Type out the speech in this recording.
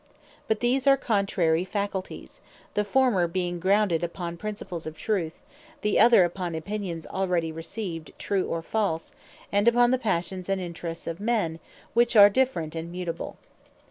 But these are contrary Faculties; the former being grounded upon principles of Truth; the other upon Opinions already received, true, or false; and upon the Passions and Interests of men, which are different, and mutable.